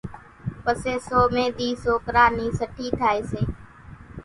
پسيَ سوميَ ۮِي سوڪرا نِي سٺِي ٿائيَ سي۔